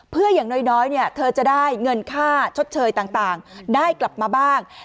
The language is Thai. เพื่ออย่างน้อยน้อยเนี้ยเธอจะได้เงินค่าชดเชยต่างต่างได้กลับมาบ้าง